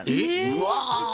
うわ！